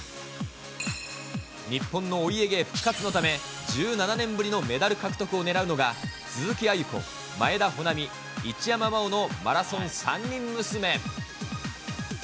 日本のお家芸復活のため、１７年ぶりのメダル獲得を狙うのが、鈴木亜由子、前田穂南、一山麻緒のマラソン３人娘。